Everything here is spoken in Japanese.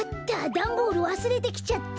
ダンボールわすれてきちゃった。